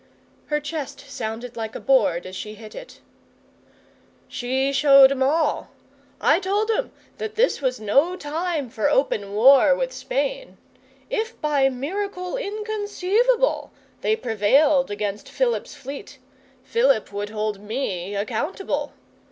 Her chest sounded like a board as she hit it. 'She showed 'em all. I told 'em that this was no time for open war with Spain. If by miracle inconceivable they prevailed against Philip's fleet, Philip would hold me accountable.